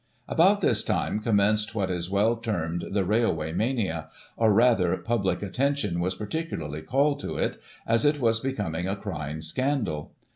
About this time commenced what is well termed " The Railway Mania," or, rather, public attention was particularly called to it, as it was becoming a crying scandal.